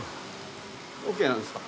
オッケーなんですか？